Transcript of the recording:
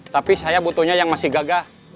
tapi saya butuhnya yang masih gagah